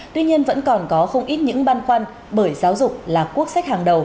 tuy nhiên vẫn còn có không ít những băn khoăn bởi giáo dục là quốc sách hàng đầu